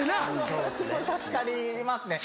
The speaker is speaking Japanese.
それすごい助かりますね。